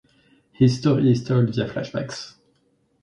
His story is told via flashbacks.